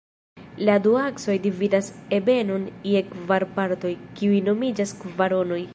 La du aksoj dividas ebenon je kvar partoj, kiuj nomiĝas kvaronoj.